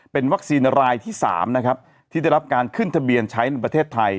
เป็นวัคซีนรายที่๓นะครับที่ได้รับการขึ้นทะเบียนใช้ในประเทศไทย